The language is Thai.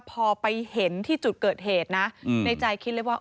พอไปเห็นที่จุดเกิดเหตุนะในใจคิดเลยว่า